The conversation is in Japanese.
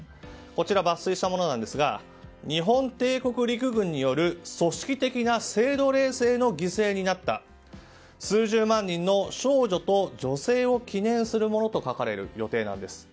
こちらは抜粋したものなんですが日本帝国陸軍による組織的な性奴隷制の犠牲になった数十万人の少女と女性を記念するものと書かれる予定なんです。